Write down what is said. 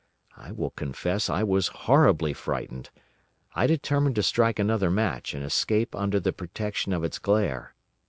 I will confess I was horribly frightened. I determined to strike another match and escape under the protection of its glare.